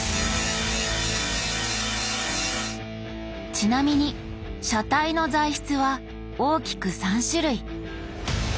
ちなみに「車体」の材質は大きく３種類。